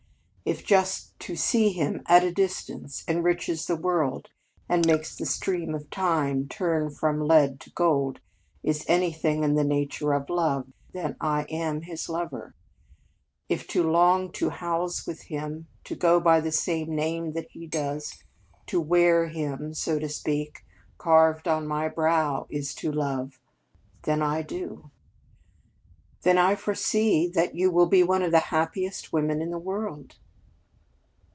If just to see him, at a distance, enriches the world and makes the stream of time turn from lead to gold is anything in the nature of love, then I am his lover. If to long to house with him, to go by the same name that he does, to wear him, so to speak, carved on my brow, is to love, then I do." "Then I foresee that you will be one of the happiest women in the world."